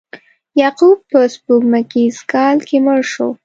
یعقوب په سپوږمیز کال کې مړ شو.